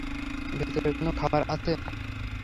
ভেতরে কোনো খাবার আছে?